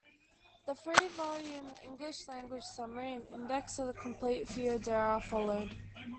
A three-volume English-language summary and index of the complete "Foedera" followed.